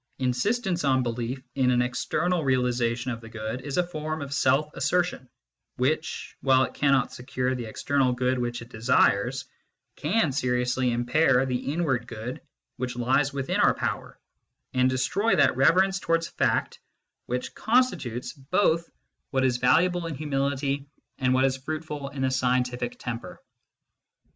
Insistence on belief in an external realisation of the good is a form of self assertion, which, while it cannot secure the external good which it desires, can seriously impair the L> ward good which lies within our power, and destroy that reverence towards fact which constitutes both what is 32 MYSTICISM AND LOGIC valuable in humility and what is fruitful in the scientific temper.